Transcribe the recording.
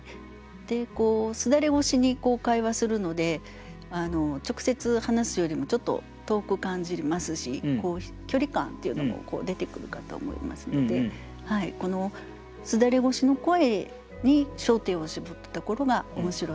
簾越しに会話するので直接話すよりもちょっと遠く感じますし距離感というのも出てくるかと思いますのでこの簾越しの声に焦点を絞ったところが面白いと思います。